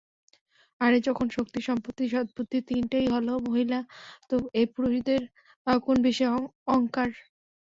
আরে যখন শক্তি, সম্পত্তি, সৎবুদ্ধি তিনটাই হলো মহিলা, তো এই পুরুষদের কোন বিষয়ের অংকার?